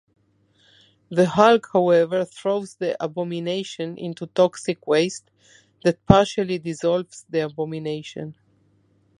The Hulk, however, throws the Abomination into toxic waste that partially dissolves the Abomination.